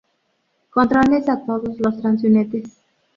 Controles a todos los transeúntes.